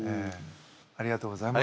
ありがとうございます。